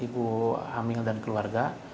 ibu hamil dan keluarga